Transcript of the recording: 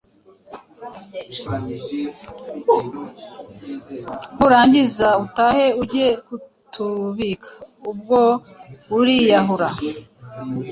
nurangiza utahe ujye kutubika!” Ubwo ariyahura.